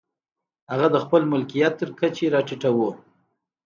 هغه د خپل ملکیت تر کچې را ټیټوو.